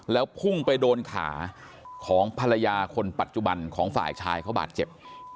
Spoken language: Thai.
แล้วพุ่งไปโดนขาของภรรยาคนปัจจุบันของฝ่ายชายเขาบาดเจ็บ